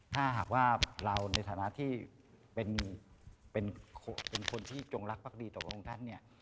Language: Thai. ถ้าหากว่าเราในฐานะที่เป็นคนที่จงรักภักดีต่อพระองค์ท่านเนี่ย